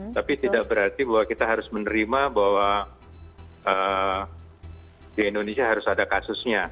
tapi tidak berarti bahwa kita harus menerima bahwa di indonesia harus ada kasusnya